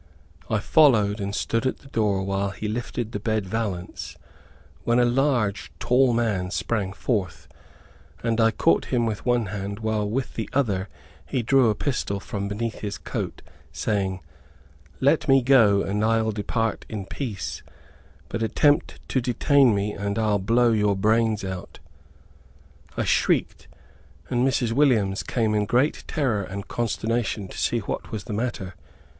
I followed, and stood at the door while he lifted the bed valance, when a large, tall man sprang forth, and caught him with one hand while with the other he drew a pistol from beneath his coat saying, "Let me go, and I'll depart in peace; but attempt to detain me, and I'll blow your brains out." I shrieked, and Mrs. Williams came in great terror and consternation, to see what was the matter.